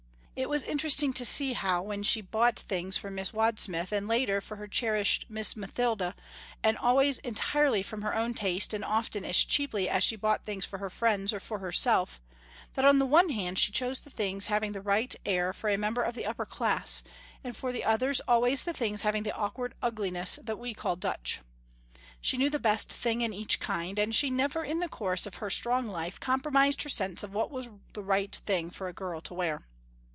It was interesting to see how when she bought things for Miss Wadsmith and later for her cherished Miss Mathilda and always entirely from her own taste and often as cheaply as she bought things for her friends or for herself, that on the one hand she chose the things having the right air for a member of the upper class, and for the others always the things having the awkward ugliness that we call Dutch. She knew the best thing in each kind, and she never in the course of her strong life compromised her sense of what was the right thing for a girl to wear.